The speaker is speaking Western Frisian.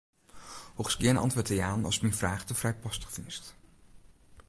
Hoechst gjin antwurd te jaan ast myn fraach te frijpostich fynst.